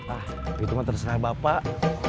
ah itu kan terserah bapak